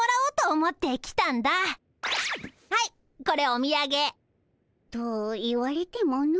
はいこれおみやげ。と言われてもの。